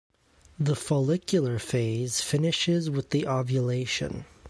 The follicular phase finishes with the ovulation.